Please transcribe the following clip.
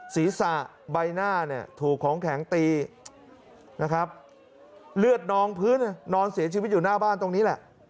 ศีรษะใบหน้าเนี่ยถูกของแข็งตีนะครับเลือดนองพื้นนอนเสียชีวิตอยู่หน้าบ้านตรงนี้แหละ